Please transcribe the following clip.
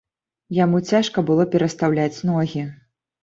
Яму цяжка было перастаўляць ногі.